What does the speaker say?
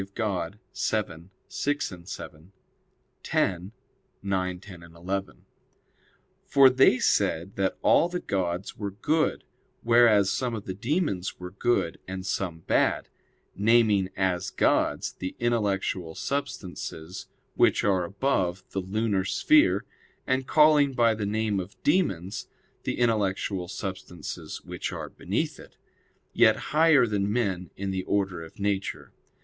Dei vii, 6, 7; x, 9, 10, 11). For they said that all the gods were good; whereas some of the demons were good, and some bad; naming as 'gods' the intellectual substances which are above the lunar sphere, and calling by the name of "demons" the intellectual substances which are beneath it, yet higher than men in the order of nature.